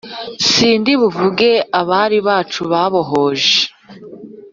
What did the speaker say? Sindi buvuge abari Bacu babohoje